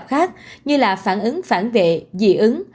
các phản ứng khác như là phản ứng phản vệ dị ứng